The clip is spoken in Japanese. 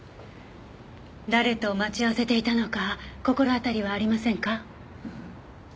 誰と待ち合わせていたのか心当たりはありませんか？